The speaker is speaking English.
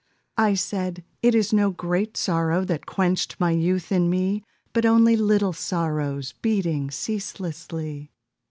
I said, "It is no great sorrow That quenched my youth in me, But only little sorrows Beating ceaselessly."